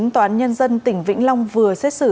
tòa án nhân dân tỉnh vĩnh long vừa xét xử